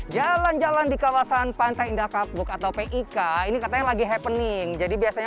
jalan jalan di kawasan pantai indah kapuk atau pik ini katanya lagi happening jadi biasanya